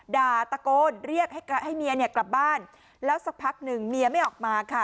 ด่าตะโกนเรียกให้เมียเนี่ยกลับบ้านแล้วสักพักหนึ่งเมียไม่ออกมาค่ะ